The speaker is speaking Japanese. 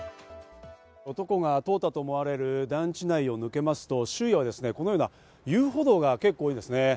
男は通ったと思われる団地内を抜けますと周囲はこのような遊歩道が結構多いんですね。